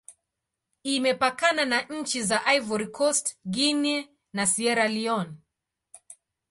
Imepakana na nchi za Ivory Coast, Guinea, na Sierra Leone.